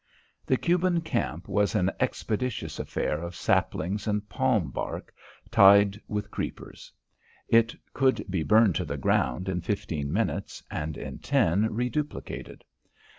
The Cuban camp was an expeditious affair of saplings and palm bark tied with creepers. It could be burned to the ground in fifteen minutes and in ten reduplicated.